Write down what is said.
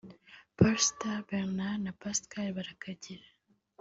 Pastor Bernard na Pascal Barakagira